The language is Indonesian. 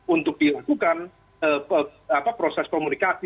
untuk dilakukan proses komunikasi